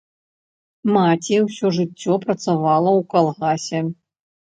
Маці ўсё жыццё працавала ў калгасе.